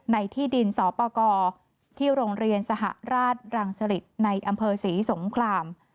ในที่ดินสปกรที่โรงเรียนสหราชรังสริตในอำเภอศรีสงคราม